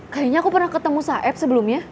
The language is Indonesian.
kayaknya aku pernah ketemu saeb sebelumnya